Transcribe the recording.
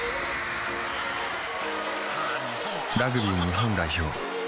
・ラグビー日本代表